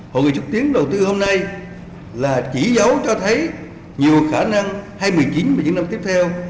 hội nghị xúc tiến đầu tư hôm nay là chỉ dấu cho thấy nhiều khả năng hai nghìn một mươi chín và những năm tiếp theo